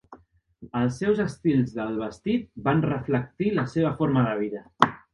Els seus estils del vestit van reflectir la seva forma de vida.